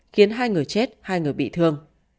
khiến hai người chết hai người bị thương